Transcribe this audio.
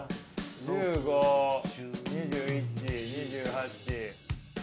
１５２１２８３６。